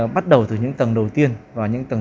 bắt đầu từ những tầng đầu tiên và những tầng